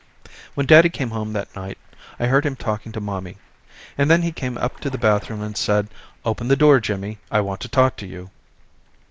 When daddy came home that night I heard him talking to mommy, and then he came up to the bathroom and said open the door Jimmy I want to talk to you.